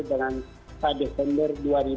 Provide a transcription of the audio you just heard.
dengan pada desember dua ribu dua puluh satu